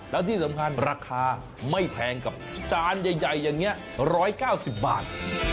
แล้วที่สำคัญราคาไม่แพงกับจานใหญ่อย่างนี้๑๙๐บาท